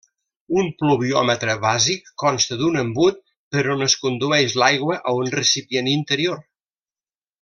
Un pluviòmetre bàsic consta d'un embut per on es condueix l'aigua a un recipient interior.